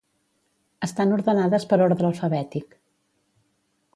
Estan ordenades per ordre alfabètic.